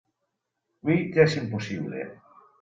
Hui ja és impossible.